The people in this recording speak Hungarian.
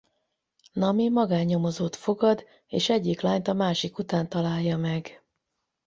Nami magánnyomozót fogad és egyik lányt a másik után találja meg.